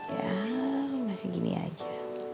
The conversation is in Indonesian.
ya masih gini aja